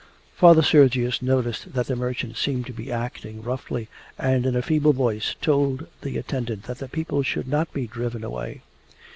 Father Sergius noticed that the merchant seemed to be acting roughly, and in a feeble voice told the attendant that the people should not be driven away.